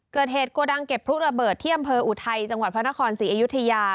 โกดังเก็บพลุระเบิดที่อำเภออุทัยจังหวัดพระนครศรีอยุธยา